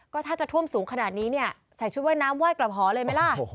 ก็ถ้าจะท่วมสูงขนาดนี้เนี่ยใส่ชุดว่ายน้ำไหว้กลับหอเลยไหมล่ะ